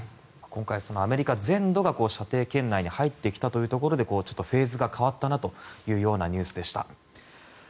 今回、アメリカ全土が射程圏内に入ってきたということでフェーズが変わったなというようなニュースでした。